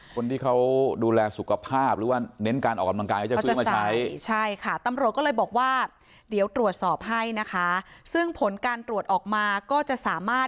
คนที่เค้าดูแลสุขภาพหรือว่าเน้นการออกกำลังกาย